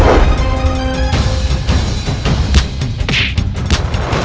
dan mereka masih lumayan r turning